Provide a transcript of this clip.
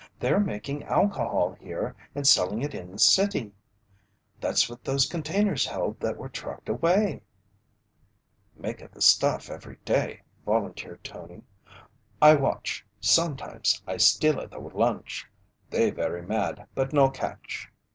"They're making alcohol here and selling it in the city! That's what those containers held that were trucked away!" "Make a the stuff every day," volunteered Tony. "I watch sometimes I steal a the lunch. They very mad but no catch."